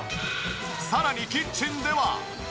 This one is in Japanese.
さらにキッチンでは。